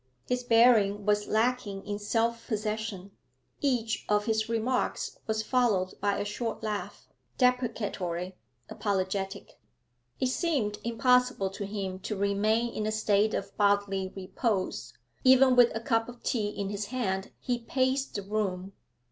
His bearing was lacking in self possession; each of his remarks was followed by a short laugh, deprecatory, apologetic. It seemed impossible to him to remain in a state of bodily repose, even with a cup of tea in his hand he paced the room.